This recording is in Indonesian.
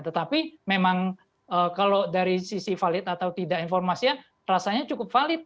tetapi memang kalau dari sisi valid atau tidak informasinya rasanya cukup valid